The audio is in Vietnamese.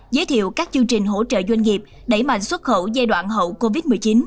giới thiệu các chương trình hỗ trợ doanh nghiệp đẩy mạnh xuất khẩu giai đoạn hậu covid một mươi chín